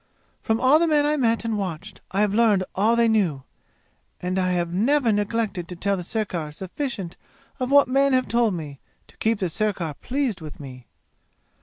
"From all the men I met and watched I have learned all they knew! And I have never neglected to tell the sirkar sufficient of what men have told me, to keep the sirkar pleased with me!